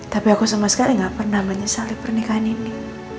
tapi aku sama sekali gak pernah menyesali pernikahan ini